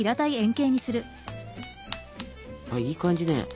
いい感じね